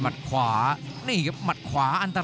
รับทราบบรรดาศักดิ์